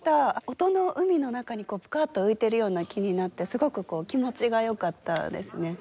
音の海の中にプカーッと浮いてるような気になってすごく気持ちが良かったですね。